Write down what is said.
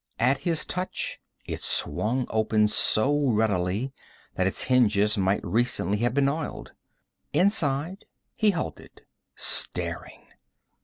At his touch it swung open so readily that its hinges might recently have been oiled. Inside he halted, staring.